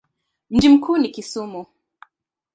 Mji mkuu ni Kisumu.